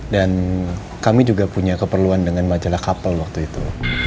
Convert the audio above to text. dan kami juga punya keperluan dengan majalah kapel waktu itu